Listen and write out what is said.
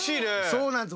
そうなんです。